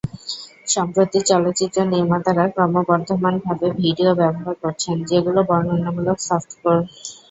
সম্প্রতি, চলচ্চিত্র নির্মাতারা ক্রমবর্ধমানভাবে ভিডিও ব্যবহার করেছেন, যেগুলো বর্ণনামূলক সফট-কোর।